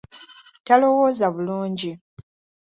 Talowooza bulungi.